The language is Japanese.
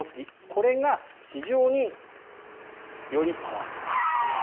これが非常によりパワースポットと。